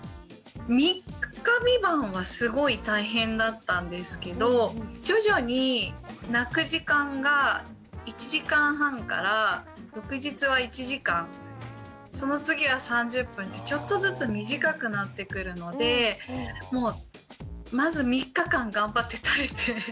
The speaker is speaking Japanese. ３日３晩はすごい大変だったんですけど徐々に泣く時間が１時間半から翌日は１時間その次は３０分ってちょっとずつ短くなってくるのでもうまず３日間頑張って耐えて。